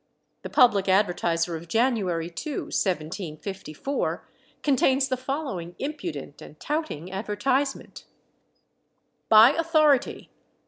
The Public Advertiser of January 2, 1754, contains the following impudent and touting advertisement: "BY AUTHORITY.